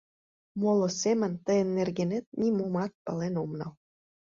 — Моло семын тыйын нергенет нимомат пален ом нал.